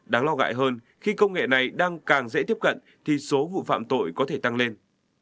đáng lo ngại hơn khi công nghệ này đang càng dễ tiếp cận thì số vụ phạm tội có thể tăng lên